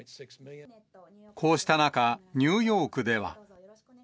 こうした中、ニューヨークでは。